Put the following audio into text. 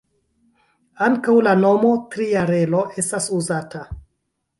Ankaŭ la nomo ""tria relo"" estas uzata.